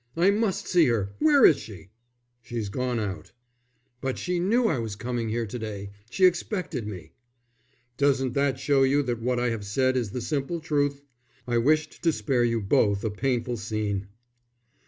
I must see her. Where is she?" "She's gone out." "But she knew I was coming here to day. She expected me." "Doesn't that show you that what I have said is the simple truth? I wished to spare you both a painful scene."